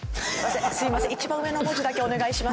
すいません一番上の文字だけお願いします。